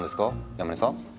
山根さん？